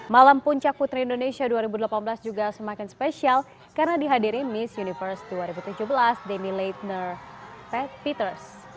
malam puncak putri indonesia dua ribu delapan belas juga semakin spesial karena dihadiri miss universe dua ribu tujuh belas demi latener pet peters